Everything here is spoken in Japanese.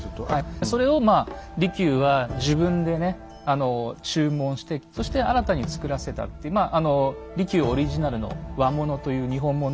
それをまあ利休は自分でねあの注文してそして新たに作らせたっていう利休オリジナルの和物という日本物